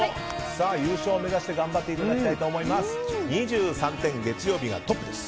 優勝目指して頑張っていただきたいです。